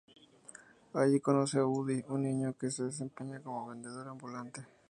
Allí conoce a Woody, un niño que se desempeña como vendedor ambulante.